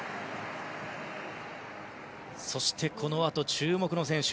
そしてこのあと注目の選手。